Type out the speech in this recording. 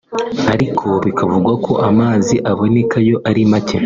ariko bikavugwa ko amazi aboneka yo ari make